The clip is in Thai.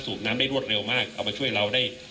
คุณผู้ชมไปฟังผู้ว่ารัฐกาลจังหวัดเชียงรายแถลงตอนนี้ค่ะ